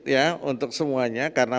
ya untuk semuanya karena